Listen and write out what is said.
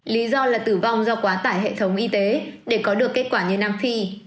lý do là tử vong do quá tải hệ thống y tế để có được kết quả như nam phi